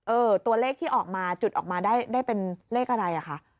ตัวเลขที่ออกมาจุดออกมาได้เป็นเลขอะไรอ่ะคะ